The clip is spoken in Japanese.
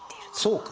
そうか。